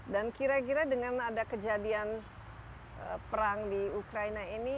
dan kira kira dengan ada kejadian perang di ukraine ini